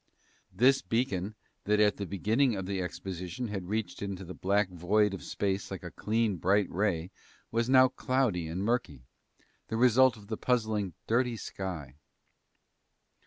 This beacon that at the beginning of the exposition had reached into the black void of space like a clean bright ray was now cloudy and murky the result of the puzzling "dirty sky."